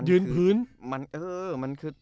ยืนพื้น